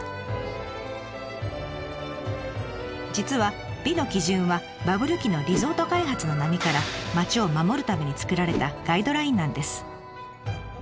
実は「美の基準」はバブル期のリゾート開発の波から町を守るために作られたガイドラインなんです。